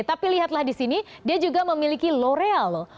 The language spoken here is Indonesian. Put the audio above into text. tapi lihatlah di sini dia juga memiliki loreal loh